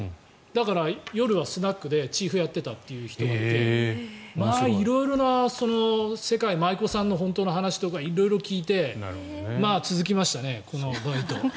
だから夜はスナックでチーフをやってたという人がいてまあ色々な世界舞妓さんの本当の話とか色々聞いて続きましたね、このバイト。